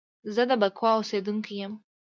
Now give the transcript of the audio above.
زه د بکواه اوسیدونکی یم